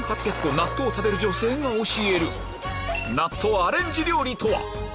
納豆を食べる女性が教える納豆アレンジ料理とは？